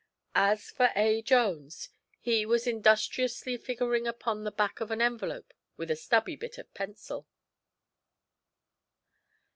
As for A. Jones, he was industriously figuring upon the back of an envelope with a stubby bit of pencil.